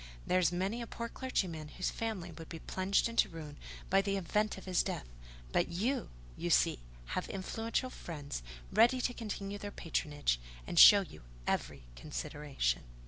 There's many a poor clergyman whose family would be plunged into ruin by the event of his death; but you, you see, have influential friends ready to continue their patronage, and to show you every consideration."